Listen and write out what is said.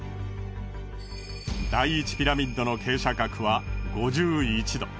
第１ピラミッドの傾斜角は５１度。